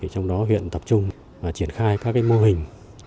trong đó huyện tập trung triển khai các mô hình